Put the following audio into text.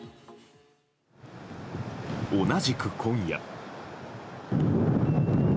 同じく、今夜。